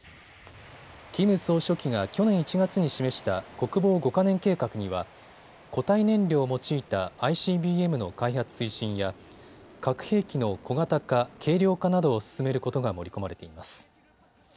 キム総書記が去年１月に示した国防５か年計画には固体燃料を用いたＩＣＢＭの開発推進や核兵器の小型化・軽量化などを進めることが盛り込まれています。